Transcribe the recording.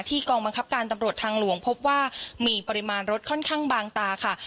กองบังคับการตำรวจทางหลวงพบว่ามีปริมาณรถค่อนข้างบางตาค่ะ